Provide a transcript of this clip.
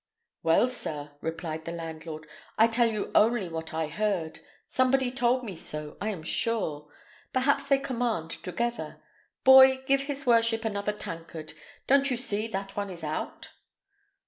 "Well, sir," answered the landlord, "I tell you only what I heard. Somebody told me so, I am sure. Perhaps they command together. Boy, give his worship another tankard; don't you see that is out?"